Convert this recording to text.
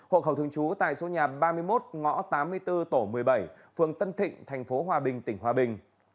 hộ khẩu thường trú tại số nhà ba mươi một ngõ tám mươi bốn tổ một mươi bảy phường tân thịnh thành phố hòa bình tỉnh hòa bình